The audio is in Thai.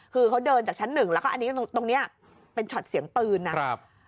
คือเขาเดินจากชั้นหนึ่งแล้วก็ตรงนี้เป็นชอบเสียงปืนนะ